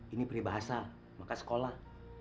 ini pribahasa maka sekolah